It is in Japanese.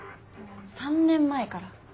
３年前から。